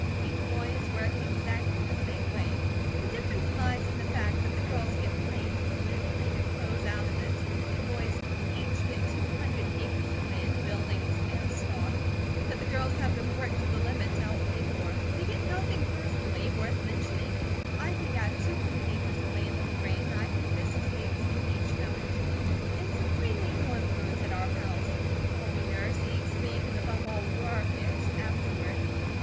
Each boy is worked exactly the same way; the difference lies in the fact that the girls get plain food and plainer clothes out of it; the boys each get two hundred acres of land, buildings and stock, that the girls have been worked to the limit to help pay for; they get nothing personally, worth mentioning. I think I have two hundred acres of land on the brain, and I think this is the explanation of it. It's a pre natal influence at our house; while we nurse, eat, sleep, and above all, WORK it, afterward."